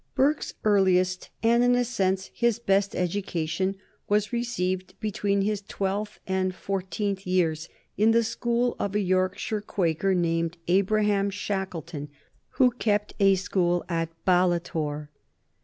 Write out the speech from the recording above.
Burke's earliest and in a sense his best education was received between his twelfth and fourteenth years, in the school of a Yorkshire Quaker named Abraham Shackleton, who kept a school at Ballitore.